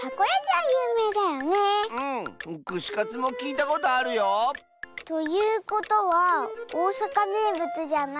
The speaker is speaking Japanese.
くしカツもきいたことあるよ！ということはおおさかめいぶつじゃないのは。